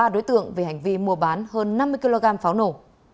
ba đối tượng về hành vi mua bán hơn năm mươi kg pháo nổ